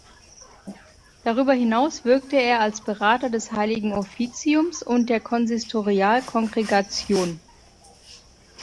Darüber hinaus wirkte er als Berater des Heiligen Offiziums und der Konsistorialkongregation.